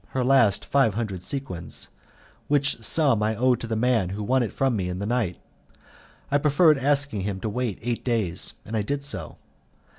her last five hundred sequins, which sum I owed to the man who won it from me in the night; I preferred asking him to wait eight days, and I did so.